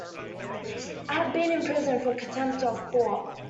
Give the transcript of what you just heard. I have been in prison for contempt of court.